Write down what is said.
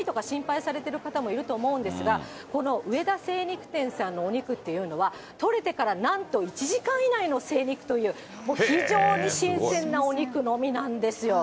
すごいんですよ、そうなんですよ、いわゆるね、ジビエ、臭みとか心配されてる方もいると思うんですが、この上田精肉店さんのお肉っていうのは、とれてからなんと１時間以内の精肉というもう非常に新鮮なお肉のみなんですよ。